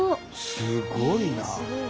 すごいなあ！